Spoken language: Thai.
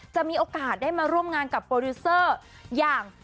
มีโอกาสได้มาร่วมงานกับโปรดิวเซอร์อย่าง